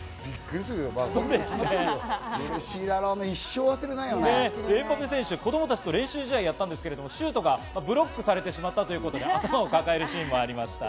エムバペ選手、子供たちと練習試合をしたんですが、シュートがブロックされてしまったということで頭を抱えるシーンもありました。